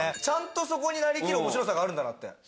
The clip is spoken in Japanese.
ちゃんとそこになりきる面白さがあるんだなって。